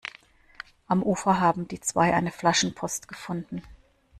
Am Ufer haben die zwei eine Flaschenpost gefunden.